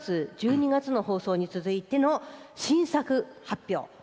９月１２日の放送に続いての新作発表。